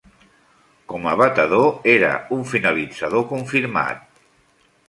Com a batedor era un finalitzador confirmat.